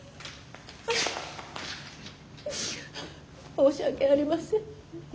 申し訳ありません。